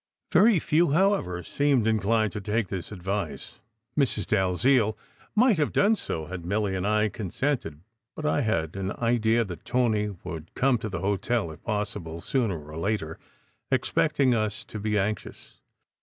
Very few, however, seemed inclined to take this advice. Mrs. Dalziel might have done so had Milly and I con SECRET HISTORY 117 sented; but I had an idea that Tony would come to the hotel, if possible, sooner or later, expecting us to be anxious.